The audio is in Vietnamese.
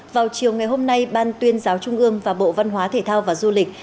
vào chiều ngày hôm nay ban tuyên giáo trung ương và bộ văn hóa thể thao và du lịch